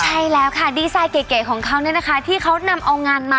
ใช่แล้วค่ะดีไซน์เก๋ของเขาเนี่ยนะคะ